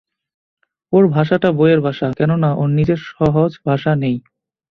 ওর ভাষাটা বইয়ের ভাষা, কেননা, ওর নিজের সহজ ভাষা নেই।